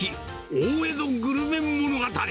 大江戸グルメ物語。